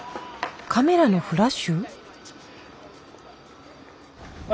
カメラのフラッシュ？